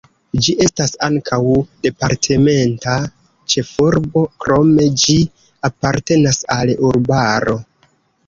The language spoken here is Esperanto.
Ĝi estas ankaŭ departementa ĉefurbo, krome ĝi apartenas al urbaro.